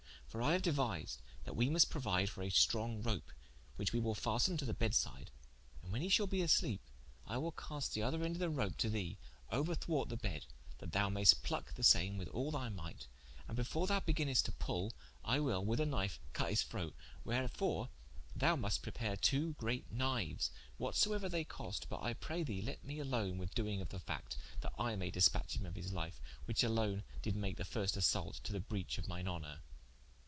For I haue deuised that wee must prouide for a stronge roape, which wee will fasten to the beddes side, and when hee shalbe a sleepe, I will caste the other ende of the rope to thee, ouerthwart the bedde, that thou maiest plucke the same with all thy mighte, and before thou beginnest to pull I will with a knife cutte his throate, wherefore thou muste prepare two great kniues, what soeuer they cost, but I pray thee let me alone with doing of the facte, that I may dispatche him of his life, which alone did make the first assault to the breach of mine honour."